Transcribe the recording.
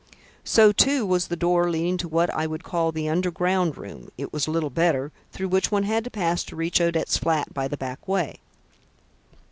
So, too, was the door leading to what I would call the underground room it was little better through which one had to pass to reach Odette's flat by the back way.